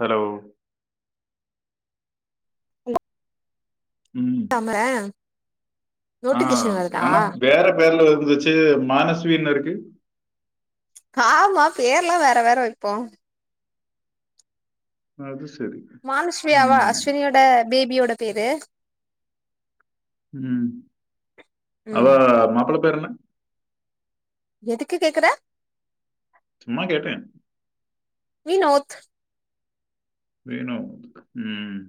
Hello hello Thamarai ஆஹ் ஆனா பேரன் பேர்ல வருது ச்சு மானஸ்வீனு இருக்கு காமா பேர்லா வேற வேற வைப்போ அது செ மானுஷ்வியாவா அஷ்வினியோட பேபியோட பேரு ம் அவ ம் மாப்புள பேரென்ன எதுக்கு கேக்குற சும்மா கேட்டே வினோத் வினோத் ம்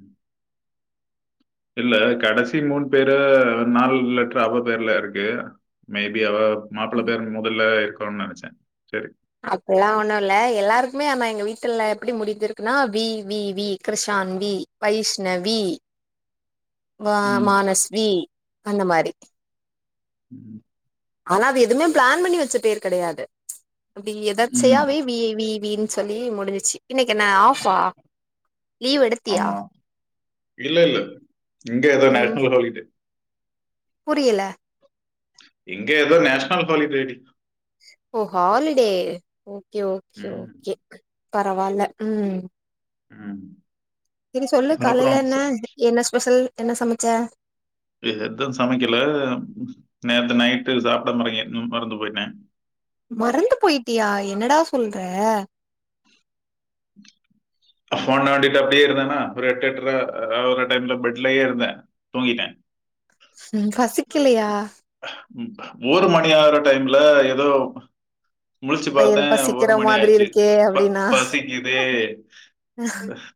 இல்ல கடசி மூண் பேரு நால் லெட்ரு அவ பேர்ல இருக்கு மேபி அவ மாப்புள பேர் முதல்ல இரு க்கோன் நெனச்சே செரி அப்புல்லா ஒன்னு இல்ல எல்லாருக்குமே ஆனா எங்க வீட்டுல எப்புடி முடிந்திருக்குனா வி வி வி கிருஷான் வி வைஷ்ணவி வ ம் மானஸ்வி அந்த மாரி ம் ஆனா அது எதுவ்மே பிளான் பண்ணி வச்ச பேர் கெடையாது அப்டி ம். எதர்ச்சையாவே வி வி வி ன் சொல்லி முடுஞ்சிச்சு இன்னைக்கென்ன ஆஃபா லீவ் எடுத்தியா? இல்லெல்ல இங்க எதோ ம் நேஷ்னல்‌ ஹாலிடே புரியல இங்க எதோ நேஷ்னல் ஹாலிடே டி ஓ ஹாலிடே ஓ கே ஓகே ம் ஓகே பரவால்ல ம் ம் செரி சொல்லு காலைல அப்புறம் என்ன என்ன ஸ்பெஸல் என்ன சமச்ச? எது சமைக்கல நேத்து நைட்டு சாப்புடமரிக்கே ம் மறந்து போய்ட்டே மறந்து போய்ட்டியா என்னடா சொல்ற? ஃபோன் நோண்டிட்டு அப்டியே இருந்தேனா ஒரு எட்டு எட்ர ஒரு டைம்ல பெட்லயே இருந்தே தூங்கிட்டே ம் பசிக்கலயா ஒரு மணி ஆகுற டைம்ல எதோ முழிச்சு வயிறு பாத்தேன் பசிக்கிற ஒரு மணி மாதிரி ஆச்சு இருக்கே ப அப்டின்னா பசிக்குதே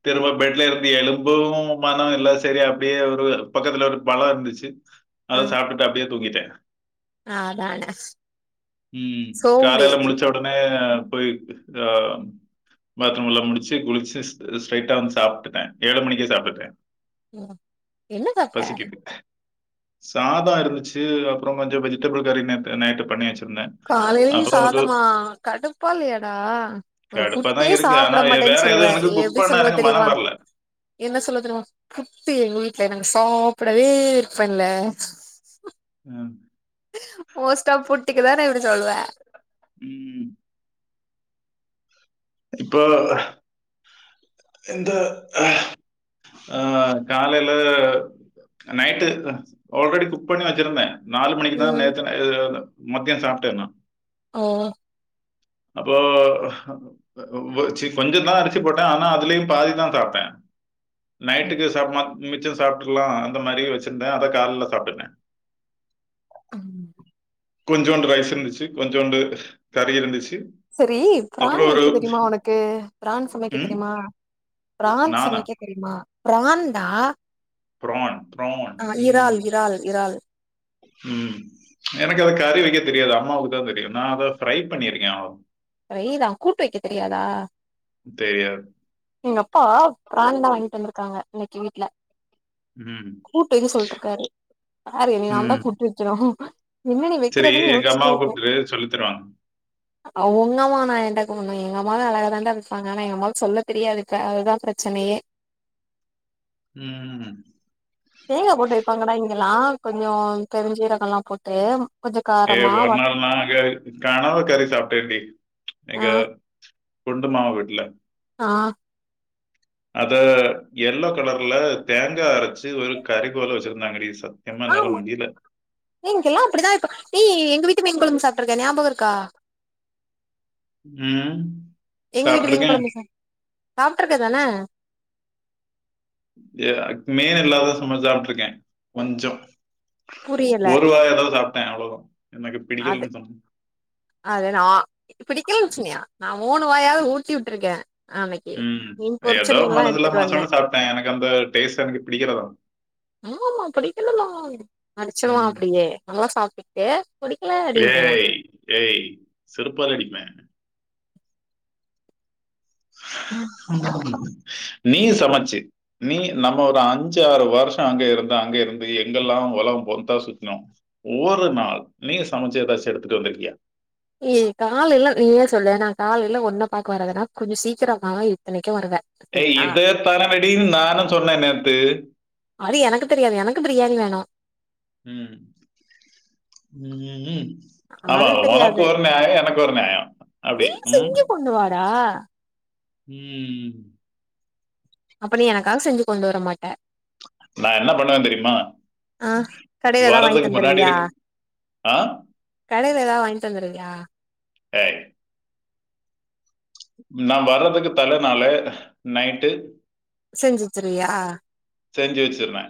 திரும்ப பெட்ல இருந்து எழும்பவும் மனம் இல்லா செரி அப்டியே ஒரு பக்கத்துல ஒரு பழம் இருந்துச்சு ஆ அத சாப்பிட்டுட்டு அப்டியே தூங்கிட்டேன் அதான உம் காலைல சோம்பேறி முழிச்ச உடனே போய் ஆஹ் பாத்ரூம் எல்லாம் முடிச்சு குளிச்சு ஸ்ட்ரைட்டா வந்து சாப்பிட்டுட்டேன் ஏழு மணிக்கு சாப்பிட்டேன் ஹம் என்ன சாப்ட சாதம் இருந்துச்சு அப்புறம் கொஞ்சம் வெஜிடபிள் கறி நைட்டு பண்ணியாச்சு காலையிலயும் சாதமா கடுப்பா இல்லையாடா ஒரு கடுப்பா புட்டே தான் இருக்கு ஆனா சாப்பிட வேற மாட்டேன்னு எதுவும் சொல்லுவேன் எனக்கு குக் எப்படி பண்ண சொல்லுவ எனக்கு தெரியுமா மனம் வரல என்ன சொல்ல தெரியுமா புட்டு எங்க நாங்க சாப்பிடவே விரும்பம் இல்ல மோஸ்டா புட்டிக்கு தானே இப்படி சொல்லுவ உம் இப்போ இந்தந்த ஆஹ காலையில நைட்டு ஆல்ரெடி குக்பண்ணி வச்சிருந்தேன் நாலு மணிக்குதான் ம் நேத்து மத்தியம் சாப்பிட்டேன் நான் ஹம் அப்போ ச கொஞ்சம் தான் அரிசி போட்டேன் ஆனா அதுலயும் பாதிதான் சாப்டேன் நைட்டுக்கு சாப்பிடலாம் மிச்சம் சாப்புட்டலாம் அந்த மாதிரி வச்சிருந்தேன் அதை காலைல சாப்பிட்டுட்டேன் ஆஹம் கொஞ்சோண்டு ரைஸ் இருந்துச்சு கொஞ்சோண்டு கறி இருந்துச்சு சரி பிரான் அப்புறம் ஒரு வைக்குறது தெரியுமா உனக்கு பிரான் சமைக்க ம். தெரியுமா பிரான் நானா? சமைக்க தெரியுமா பிரான் டா பிரான் பிரான் உம் இறால் இறால் உஹம் எனக்கு அதை கறி வைக்க தெரியாது அம்மாவுக்கு தான் தெரியும் நான் அதை ஃப்ரை பண்ணியிருக்கேன் அவ பிரைதான் கூட்டு வைக்க தெரியாதா தெரியாது. எங்க அப்பா பிரான்லாம் வாங்க ட்டுந்திருக்காங்க இன்னைக்கு வீட்டுல ம். கூட்டுன்னு சொல்லிட்டு இருக்காரு வேற யாரு நீ நான் தான் கூட்டு வைக்கனும் சேரி எங்க அம்மாவ கூப்புடு சொல்லி தருவாங்க உங்க அம்மானா [unintelligible] எங்க அம்மாவே அழகாதான்டா இருப்பாங்க ஆனா எங்க அம்மாவுக்கு சொல்ல தெரியாதுக்க அதுதா பிரச்சனையே ம் தேங்காய் போட்டு வெப்பாங்கடா இங்கெல்லா கொஞ்சோ பெருஞ்சீரகோ எல்லாம் போட்டு கொஞ்சோ ஏ காரமா வ ஒருனாள் நா கா காணாத கறி சாப்டேன்டி ஆ எனக்கு குண்டு மாமா வீட்ல ஆ அத எல்லோ கலர்ல தேங்கா அரச்சு ஒரு கறி போல்ல வெச்சுருந்தாங்கடி சத் ஆமா ஏ இங்கெல்லா அப்புடிதா வெப்போ நீ எங்க வீட்டு மீன் கொழம்பு சாப் ட்ருக்க ஞாபகோ இருக்கா ம் எங்க வீட்டு மீன் சாப்பிட்டுருக்கேன். கொழம்பு சாப் சாப்ட்ருக்க தான மீன் இல்லாத சமச் சாப்ட்ருக்கே கொஞ்சோ புரியல ஒரு வாயாவது சாப் ட்ட அவ்ளோதா அது அது நா பிடிக்கலன் சொன்னியா நா மூணு வாயாவது ஊட்டி விட்ருக்க ஆ அன்னைக்கு ம். மீன் பொறுச்ச ஏதோ மீன்ல்லா மனசுல எடுத்துட்டு வந்த மனசோட சாப்பிட்டேன். எனக்கு அந்த டேஸ்ட் எனக்கு பிடிக்கல தான். ஆமா புடிக்கலதா அடுச்சுருவா ம். அப்புடியே நல்லா சாப்டுட்டு ஏய் ஏய் செருப்பால் அடிப்ப [inaudible] நீ சமச்சு நீ நம்ம ஒரு அஞ்சு ஆறு வருஷோ அங்க இருந்து அங்க இருந்து எங்கெல்லா ஒலகோ பொருத்தா சுத்துனு ஒவ்வொரு நாள் நீ சமச்சு எதாச்சு எடுத்துட்டு வந்துருக்கியா ஏ கால்ல எல்லா நீ சொல்லே நா கால்ல எல்லா ஒன்னாப் பாக்க வரதுனா கொஞ்சோ சீக்கிரோ நா இத்தனைக்கு வருவ ஏய் இது தானாபெட் அப்டின் நானும் சொன்ன நேத்து அது எனக்கு தெரியாது எனக்கு பிரியாணி வேணு ம் ம் ம் ம் ஆமா அது உனக்கு தெரியாது ஒரு நியாயோ எனக்கு ஒரு நியாயோ அப்டி நீ ம் செஞ்சு கொண்டு வாடா ம் அப்ப நீ எனக்காக செஞ்சு கொண்டு வரமாட்ட நா என்ன பண்ணுவன் தெரியுமா ஆ கடையில எதா வாங்கி வர்றதுக்கு முன்னாடி தந்துருவியா இருக்க ஆ யா ஏ நா வரதுக்கு தலனால நைட்டு செஞ்சு வச்சுர்வியா செஞ்சு வச்சிருவே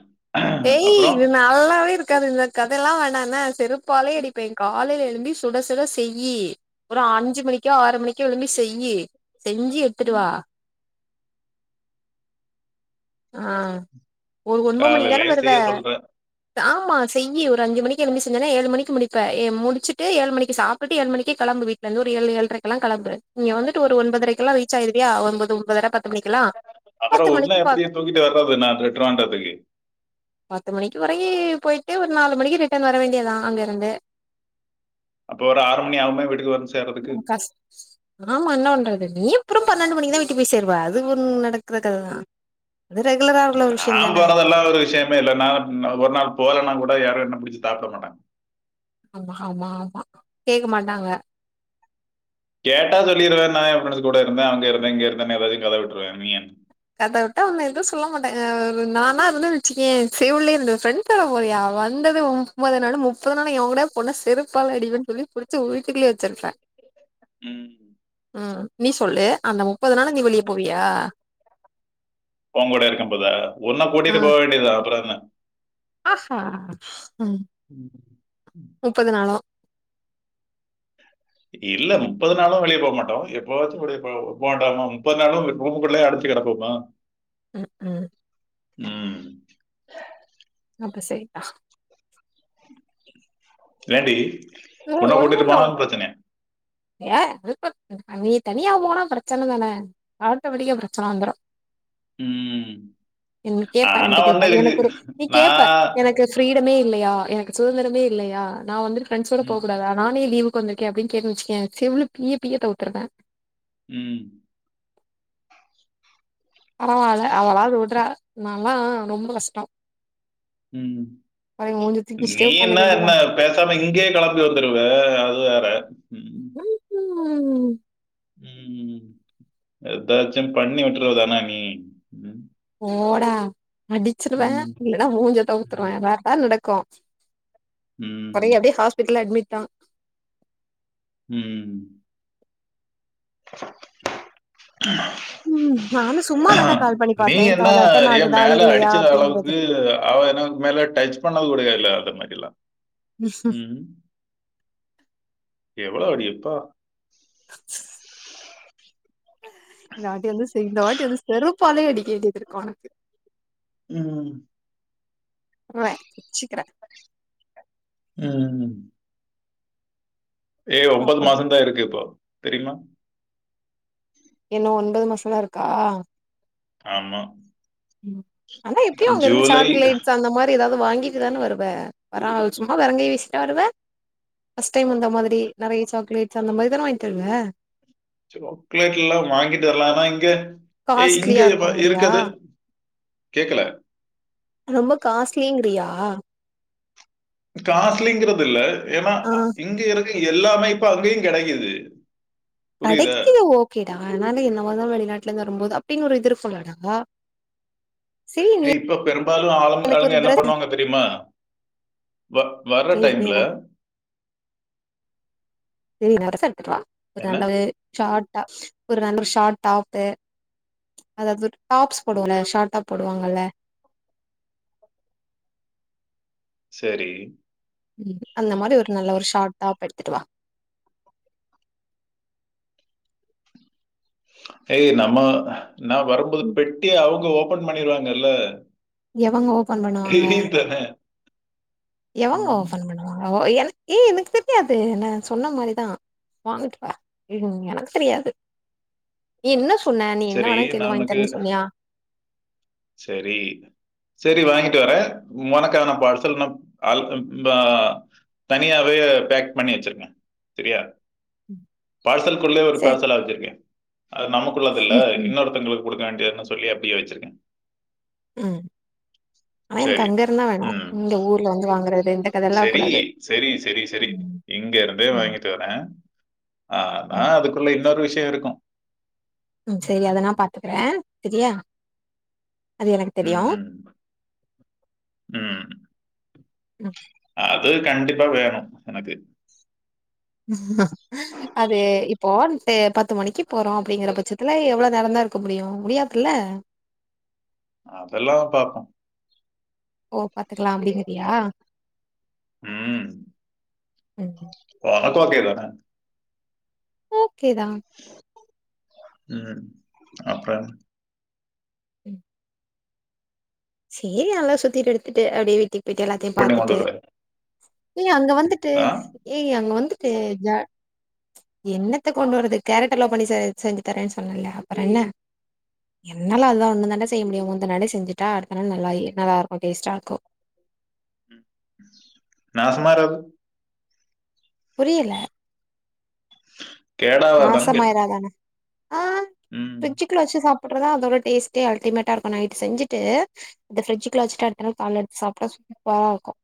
ஏய் இது நல்லாவே இருக்காது இந்த கதல்லா வேணா ன்ன செருப்பாலயே அடிப்பே காலைல எழும்பி சுட சுட செய்யி ஒரு அஞ்சு மணிக்கோ ஆறு மணிக்கோ எழும்பி செய்யி செஞ்சு ம், எத்துட்டுவா ஆ ஒரு ஒன்பொ மணிக்கு தான காலையிலயே வருவ செய்ய சொல்ற ஆமா செய்யி ஒரு அஞ்சு மணிக்கு எழும்பி செஞ்சனா ஏழு மணிக்கு முடிப்ப ஏ முடுச்சுட்டு ஏழு மணிக்கு சாப்டுட்டு ஏழு மணிக்கே கெளம்பு வீட்லந்து ஒரு ஏழு ஏழ்ரைக்குல்லா கெளம்பு இங்க வந்துட்டு ஒரு ஒன்பதரைக்கெல்லா ரீச் ஆயிருவியா ஒன்பது ஒன்பதர பத் அப்பறொ உன்ன எப்டி தூக்கிட்டு வர்றது நா டெட்ருவான்ட்ரத்துக்கு பத்து மணிக்கு வரையி போயிட்டு ஒரு நாலு மணிக்கு ரிட்டன் வர வேண்டியதா அங்கருந்து அப்ப ஒரு ஆறு மணி ஆகுமே வீட்டுக்கு வந்து சேர்றதுக்கு ம் கஷ் ஆமா என்ன பண்றது? நீ எப்புறம் பன்னெண்டு மணிக்குதா வீட்டுக் போய் சேருவ அது ஒ நடக்குற கததா நாம்போறதெல்லா ஒரு விஷ்ய மே இல்ல நா நா ஒரு நாள் போலன்னா கூட யாரு என்ன புடுச்சு தாட்ட மாட்டாங்க ஆமா ஆமா ஆமா கேக்க மாட்டாங்க கேட்டா சொல்லிருவே நா எ ஃப்ரெண்டுங்க கூட இருந்தே அங்க இருந்தே இங்க இருந்தன்னு எதாது கத விட்ருவே நீ எ கத வுட்டா உன்ன எதுவு சொல்ல மாட்டாங்க அ நானா இருந்தன் வச்சுக்கயே செவுல்லயே ரெண்டு ஃப்ரெண்ட் கூட போறியா வந்தது முப்பது நாள் முப்பது நாளு எவங் கூடயா போனா செருப்பால அடிப்பேன் சொல்லி புடுச்சு வீட்டுக்குள்ளயே வச்சிர்ப்பே ம் ம் நீ சொல்லு அந்த முப்பது நாளு நீ வெளிய போவியா ஓங்கூட இருக்கும் போதா உன்ன கூட்டிட்டு போ வேண்டியதா அப்ற என்ன ஆ சா ம் ம் நாளும் இல்ல முப்பது நாளு வெளிய போகமாட்டோ எப்பவாச்சு [unintelligible] முப்பது நாளு ரூம்குள்ளயே அடச்சு கெடப்போமா ம் ம் ம் அப்ப செரித்தா ஏன்டி உன்ன கூட்டிட்டு ஒண்ணுல்ல போனாலு பிரச்சனயா ஏ அது இப்ப நீ தனியா போனா பிரச்சன தானே ஆட்டோமெட்டிக்கா பிரச்சன வந்துரு ம். நீ கேப்ப ஆனா என்ட கேப்ப ஒண்ணு இருக்கு. எனக்கு ஒரு நீ கேப்ப நான் எனக்கு ஃப்ரீடமே இல்லையா எனக்கு சுதந்திரமே இல்லையா நான் வந்துருக்கேன் போ ம். கூடாதா நானே லீவு க்கு வந்துருக்கேன் அப்படின்னு கேட்டுச்சு வச்சுகோயேன் செவ்ளு பீய்ய பீய்ய கவுத்துருவேன் உம் பரவாயில்ல அவளாவது விடுறா நான் எல்லாம் ரொம்ப கஷ்டம் உம் நீ தூக்கிச்சுட்டே என்ன உக்காந்துக்க என்ன வேண்டியதா பேசாம இங்கேயே கிளம்பி வந்துருவ அது வேற உம் உம் உம் உம் உம் எதாச்சும் பண்ணி விட்டுருவ தானே நீ உம் போடா அடிச்சிருவேன் ம். இல்லைன்னா மூஞ்ச கவுத்துருவேன் அதான் நட க்கும் படியே ம். அப்படியே ஹாஸ்பிடல் ல அட்மிட் தான் உம் ம் நானு சும்மா [inaudible] தாண்டா ஆஹ் கால் பண்ணி நீ பாத்தே என்ன கால் அட்டன் ஏ ஆகுதா மேல இல்லையா அடிச்சுற அப்டிங்கறது அளவுக்கு அவ எனக்கு மேல டச் பண்ணக்கூடவே இல்ல அது மாதிரிலாம் உஹம் எவ்வளோ அடி யப்பா [inaudible] இந்த வாட்டி வந்து இந்த வாட்டி வந்து செருப்பாலையடி கேட்டுட்டு இருக்கும் உனக்கு ம். வச்சிக்கிறேன் உஹம் ஏ ஒன்பது அப்போ மாசம்தான் இருக்கு இப்போ தெரியுமா என்னா இன்னும் ஒன்பது மாசம் தான் இருக்கா ஆமா உம் ஆனா எப்பயும் அங்க இருந்து ஜூலை சாக்லேட்ஸ் அந்த மாதிரி ஏதாவது வாங்கிட்டு தானே வருவ வர சும்மா வெறும் கைய வீசிகிட்டா வருவ பர்ஸ்ட் டைம் வந்த மாதிரி நிறைய சாக்லேட்ஸ் அந்த மாதிரி தானே வாங்கி வருவ சாக்லேட் எல்லாம் வாங்கிட்டு வரலாம் ஆனா இங்க ஏ இங்க காஸ்ட்லியா இருக்குங்கிறியா இருக்குது கேக்கல ரொம்ப காஸ்ட்லிங்கிறியா காஸ்லிங்கிறது இல்ல ஏன்னா ஆ இங்க இருக்கை எல்லா இப்ப அங்கியு கெடைக்குது கடைக்கு ஓகேடா ஆனால என்ன வந்து வெளிநாட்டுல இருந்து வருபோது ப்டின் ஒரு இது இருக்கு இல்லடகா ஏ இப்ப பெரும்பாலு ஆளுங் எனக்கு ஆளுங்க ஒரு என்ன ட்ரெஸ் பண்ணுவாங்க தெரியுமா வ வர்ற ஏய் நீ டைம்ல எனக்கு சேரி என்ன [unintelligible] [unintelligible] சா டா ஒரு நல்ல ஷாட் டாப் அதாது ஒரு டாப்ஸ் போடுவோ இல்ல ஷாட் டாப் போடுவாங்கல்ல சேரி ம் அந்த மாரி ஒரு நல்ல ஒரு ஷாட் டாப் எடுத்துட்டுவா ஏ நம்ம நா வரும்போது ம். பெட்டி அவுங்க ஓப் ஃபோன் பண்ணிருவாங்கல்ல எவங்கோ பான் பண்ணுவாங்க எவங்க ம், ஓபன் பண்ணுவாங்க அங்கோ என ஏ எனக்கு தெரியாது ந சொன்ன மாரிதா வாங்கிட்டுவா எனக்கு தெரியாது என்ன சொன்ன நீ என்ன சரி வேணா கேளு வாங்கி தரன்னு சொன்னியா சேரி சேரி வாங்கிட்டுவரே உனக்கான பார்சல் நா ஆல்கபா தனியாவே பேக் பண்ணி வச்சிருக்கே சரியா ம். பார்சல் குள்ளயே ஒரு சரி. பார்சல் ஆ வைச்சிருக்கே அது நமக்குள்ளது இல்ல ம். இன்னொருத்தங்களுக் குடுக்க வேண்டியன் சொல்லி அப்பிடியே வச்சிருக்கே ம் ஆனா எனக்கு அங்க இருந்தா வேணு இங்க ஊர்ல வந்து வாங்கற செரி செரி செரி செரி ம். இங்க இருந்தே ம். வாங்கிட்டு வரே ஆனா ம். அதுக்குள்ள இன்னொரு விஷ் யோ இருக்கு ம் சேரி அத நா பாத்துக்கறே சேரியா அது எனக்கு தெரியு ம், ம் ம் அது கண்டிப்பா வேணு எனக்கு அது இப்போண்ட்டு பத்து மணிக்கு போறோ அப்பிடிங்கிற பட்சத்துல எவ்ளோ நேரோதா இருக்க முடியு முடியாதுல்ல அதெல்லா பாப்போம் ஓ பாத்துக்கலாம் அப்டின்னு ம் ம் வா ஓகே தான ஓ கே தான் ம் அப்ற ம் சேரி நல்லா சுத்திட்டு எடுத்துட்டு அப்டியே வீட்டுக் போயிட்டு எல்லாத்தையும் பண்ணி கொண்டு பாத்துட்டு வருவேன். ஏய் அங்க வந்துட்டு ஆ? ஏய் அங்க வந்து து ஜா என்னத்தை கொண்டு வரது கேரட் அல்வா எல்லாம் பண்ணி சே செஞ்சு தரேன்னு சொன்னன்ல அப்ற என்ன என்னால அதுதான் ஒன்னு தாண்டா செய்ய முடியும் அந்த நாள் செஞ்சுட்டா தரேன் நல்லா இ நல்லாருக்கும் டேஸ்ட்டா இருக்கும் நா சும்மாரு புரியல கேடா ஆவா தான் கேட்டே நாசமாயிராதானே ஆ ஃபிரிஜ்ச்சுக்குல வச்சு சாப் புட்றதா அதோட டேஸ்ட்டே அல்டிமேட்டா இருக்கும் நைட்டு செஞ்சுட்டு இந்த ஃப்ரிஜிக்குள்ள வச்சுட்டு அடுத்த நாள் கால்ல எடுத்து சாப்டா சூப்பரா இருக்கும்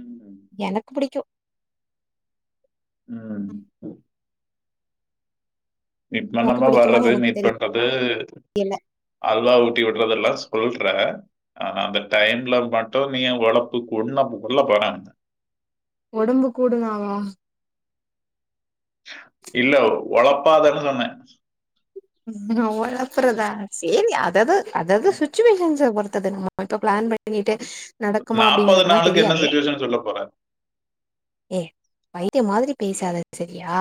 ம். எனக்கு புடிக்கும் ம் மீட் உனக்கு பண்ணாம பிடிக்குமான்னு வர்றது எனக்கு மீட் பண்றது தெரியல. அல்வா ஊட்டி விடுறதுல்லா சொல்ற ஆனா அந்த டைம்ல மட்டும் நீங்க ஒழப்புக்குன் கொள்ள போறே ஒடம்பு கூடுனாவா இல்ல ஒழப்பாதனு சொன்னே ஓலாப்புறதா செரி அதது அதாவுது சுச்சுவேஷன்ஸ பொருத்தது நம்ம இப்ப பிளான் பண்ணி டு நடக்குமா அப்டிங்கறது எல்லா நாளுக்கு என்ன தெரியாது சிச்சுவேஷன் சொல்லப் போற? ஏ பைத்திய மாதிரி பேசாத செரியா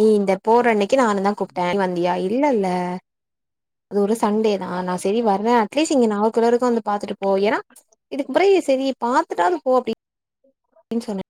நீ இந்த போற அன்னைக் கி நானு தான் கூப்டேன் நீ வந்தியா இல்லல்ல அது ஒரு சண்டே தான் நா சரி வர்றேன் அட்லீஸ்ட் இங்க நாகர்கேயில் வரைக்கு வந்து பாத்துட்டு போ ஏன்னா இதுக்கு அப்ற செரி பாத்துட்டாது போ அப்டி டின் சொன்னே